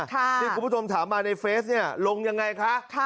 ที่คุณผู้ชมถามมาในเฟซเนี่ยลงยังไงคะ